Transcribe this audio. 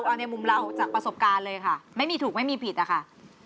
เอาในมุมเราจากประสบการณ์เลยค่ะไม่มีถูกไม่มีผิดอะค่ะ